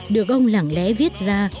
được ông lẳng lẽ viết ra